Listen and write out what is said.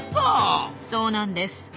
そうなんです。